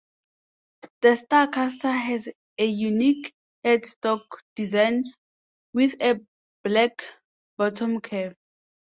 The Starcaster has a unique headstock design, with a black bottom curve.